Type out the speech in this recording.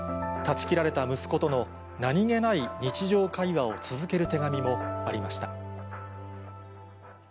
断ち切られた息子との何気ない日常会話を続ける手紙もありました。